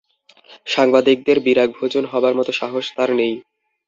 সাংবাদিকদের বিরাগভাজন হবার মতো সাহস তাঁর নেই।